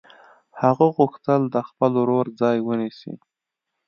هغه غوښتل د خپل ورور ځای ونیسي